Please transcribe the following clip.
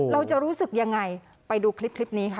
เราจะรู้สึกยังไงไปดูคลิปนี้ค่ะ